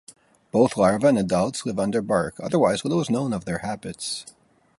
Both larvae and adults live under bark, otherwise little is known of their habits.